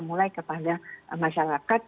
mulai kepada masyarakat